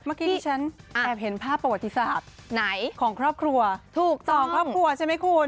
มากินฉันแอบเห็นภาพประวัติศาสตร์ของครอบครัวถุ้กต้องของครอบครัวใช่ไหมคุณ